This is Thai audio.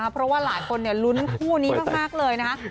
เพราะว่าหลายคนลุ้นคู่นี้มากเลยนะคะ